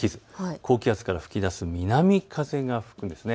高気圧から吹き出す南風が吹くんです。